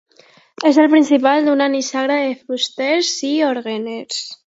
És el principal d'una nissaga de fusters i orgueners.